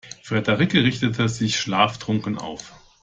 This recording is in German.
Friederike richtete sich schlaftrunken auf.